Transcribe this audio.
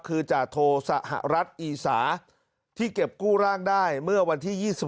คือจาโทสหรัฐอีสาที่เก็บกู้ร่างได้เมื่อวันที่๒๖